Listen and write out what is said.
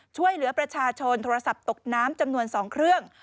ช่วยเหลือประชาชนโทรศัพท์ตกน้ำจำนวน๒เครื่อง